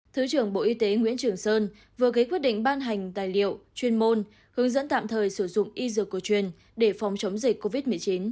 thứ trưởng bộ y tế nguyễn trường sơn vừa gây quyết định ban hành tài liệu chuyên môn hướng dẫn tạm thời sử dụng y dược cổ truyền để phòng chống dịch covid một mươi chín